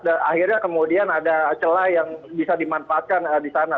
dan akhirnya kemudian ada celah yang bisa dimanfaatkan di sana